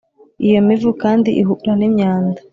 Iyo mivu kandi ihura n’imyanda